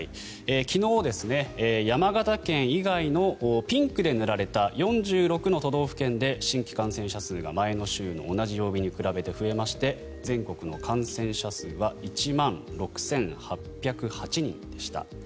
昨日、山形県以外のピンクで塗られた４６の都道府県で新規感染者数が前の週の同じ曜日に比べて増えまして全国の感染者数は１万６８０８人でした。